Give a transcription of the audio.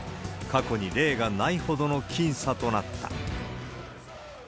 過去に例がないほどの僅差となった。